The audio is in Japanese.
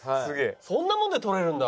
そんなもんで撮れるんだ。